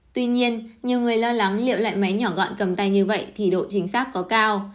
tuy nhiên nhiều người lo lắng liệu loại máy nhỏ gọn cầm tay như vậy thì độ chính xác có cao